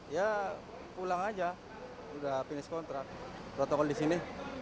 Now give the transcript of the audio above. ya pulang aja udah finish kontrak protokol disini